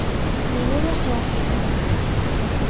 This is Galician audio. Nin unha soa cifra.